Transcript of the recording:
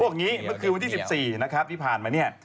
พวกนี้เมื่อคืนวันที่๑๔ที่ผ่านมา